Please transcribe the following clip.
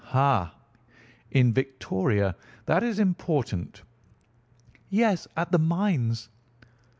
"Ha! In Victoria! That is important." "Yes, at the mines."